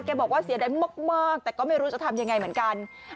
บอกว่าเสียดายมากแต่ก็ไม่รู้จะทำยังไงเหมือนกัน